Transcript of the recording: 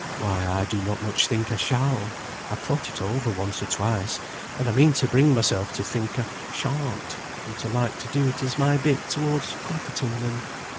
"Why I do not much think I shall. I've thought it over once or twice, and I mean to bring myself to think I shan't, and to like to do it as my bit towards comforting them.